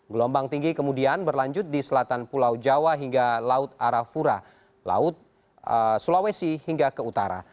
gelombang tinggi kemudian berlanjut di selatan pulau jawa hingga laut arafura laut sulawesi hingga ke utara